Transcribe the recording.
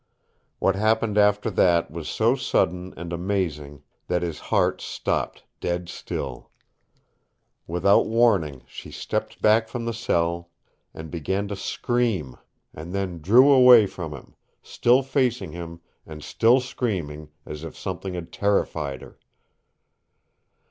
What happened after that was so sudden and amazing that his heart stopped dead still. Without warning she stepped back from the cell and began to scream and then drew away from him, still facing him and still screaming, as if something had terrified her.